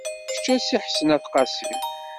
Kečč a Si Ḥsen At Qasi.